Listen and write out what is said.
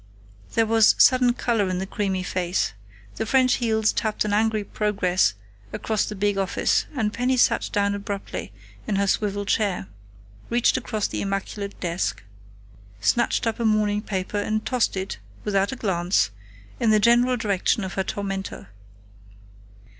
There was sudden color in the creamy face. The French heels tapped an angry progress across the big office, and Penny sat down abruptly in her swivel chair, reached across the immaculate desk, snatched up a morning paper and tossed it, without a glance, in the general direction of her tormentor.